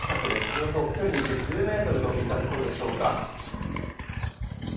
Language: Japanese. およそ距離にして１０ｍといったところでしょうか。